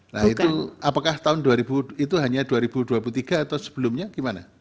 nah itu apakah tahun dua ribu itu hanya dua ribu dua puluh tiga atau sebelumnya gimana